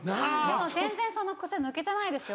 でも全然その癖抜けてないですよ。